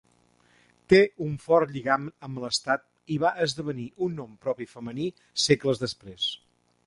Té un fort lligam amb l'Estat i va esdevenir un nom propi femení segles després.